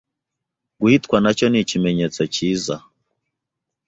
Guhitwa nacyo nikimenyetso kiza